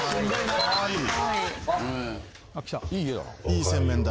いい洗面台。